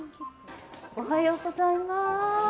おはようございます。